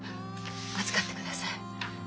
預かってください。